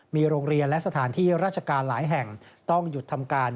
มีโรงเรียนและสถานที่ราชการหลายแห่งต้องหยุดทำการ